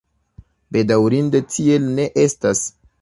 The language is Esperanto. Bedaŭrinde, tiel ne estas.